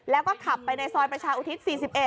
แล้วก็ขับไปในซอยประชาอุทิศ๔๑